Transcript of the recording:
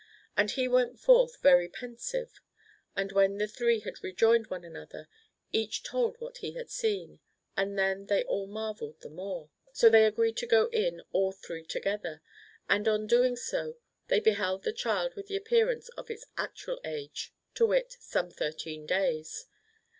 And he went forth very pensive. And when the three had rejoined one another, each told what he had seen ; and then they all marvelled the more. So they agreed to go in all three together, and on doing so they beheld the Child with the appearance of its actual age, to wit, some thirteen days.